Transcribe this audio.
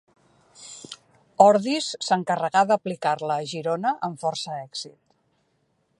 Ordis s'encarregà d'aplicar-la a Girona amb força èxit.